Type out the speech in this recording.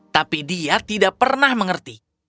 tapi dia tidak pernah mengerti